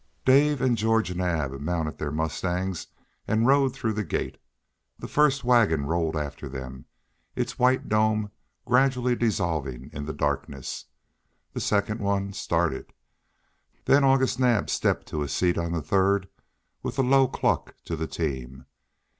Dave and George Naab mounted their mustangs and rode through the gate; the first wagon rolled after them, its white dome gradually dissolving in the darkness; the second one started; then August Naab stepped to his seat on the third with a low cluck to the team.